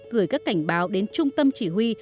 gửi các cảnh báo đến trung tâm chỉ huy